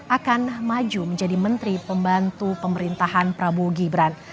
akan maju menjadi menteri pembantu pemerintahan prabowo gibran